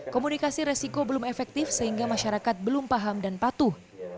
komunikasi resiko belum efektif sehingga masyarakat belum paham dan patuh